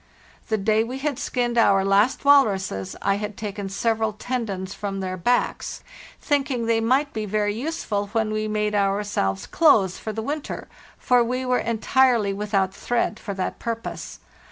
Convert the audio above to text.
The day we had skinned our last walruses I had taken several tendons from their backs, thinking they might be very useful when we made ourselves clothes for the winter, for we were entirely without thread for that purpose.